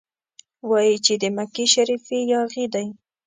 وايي چې د مکې شریف یاغي دی.